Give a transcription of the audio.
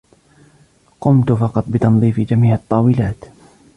قمت فقط بتنظيف جميع الطاولات